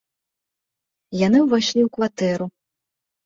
Яны ўвайшлі ў кватэру.